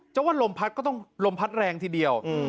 ว่าลมพัดก็ต้องลมพัดแรงทีเดียว